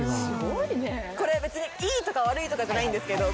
これ別にいいとか悪いとかじゃないんですけど。